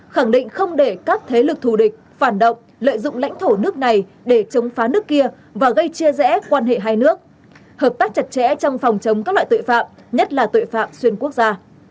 khẳng định không để các thế lực thù địch phản động lợi dụng lãnh thổ nước này để chống phá nước kia và gây chia rẽ quan hệ hai nước hợp tác chặt chẽ trong phòng chống các loại tội phạm nhất là tội phạm xuyên quốc gia